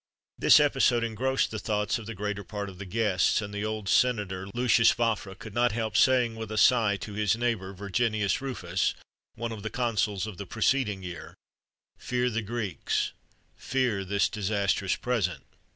[XXXV 76] This episode engrossed the thoughts of the greater part of the guests, and the old senator, Lucius Vafra, could not help saying, with a sigh, to his neighbour, Virginius Rufus, one of the consuls of the preceding year: "Fear the Greeks: fear this disastrous present!"